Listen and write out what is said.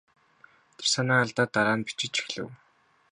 Тэр санаа алдаад дараа нь бичиж эхлэв.